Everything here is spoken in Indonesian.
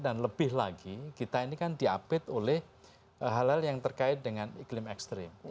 dan lebih lagi kita ini kan diapit oleh hal hal yang terkait dengan iklim ekstrim